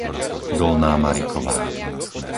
Dolná Mariková